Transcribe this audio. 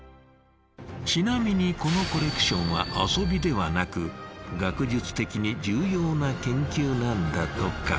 ちなみにこのコレクションは遊びではなく学術的に重要な研究なんだとか。